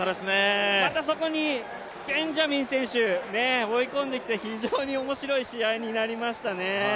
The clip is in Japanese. また、そこにベンジャミン選手追い込んできて非常に面白い試合になりましたね。